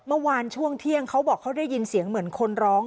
เมื่อวานช่วงเที่ยงเขาบอกเขาได้ยินเสียงเหมือนคนร้อง